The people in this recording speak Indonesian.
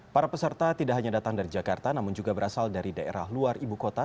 para peserta tidak hanya datang dari jakarta namun juga berasal dari daerah luar ibu kota